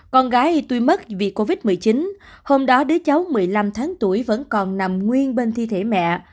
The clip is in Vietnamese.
con gái tuy mất vì covid một mươi chín hôm đó đứa cháu một mươi năm tháng tuổi vẫn còn nằm nguyên bên thi thể mẹ